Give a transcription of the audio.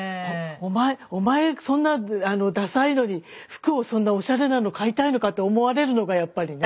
お前そんなダサいのに服をそんなおしゃれなの買いたいのかって思われるのがやっぱりね。